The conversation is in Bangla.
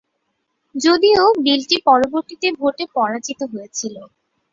যদিও বিলটি পরবর্তীতে ভোটে পরাজিত হয়েছিল।